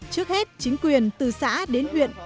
trước hết chính quyền từ xã đến huyện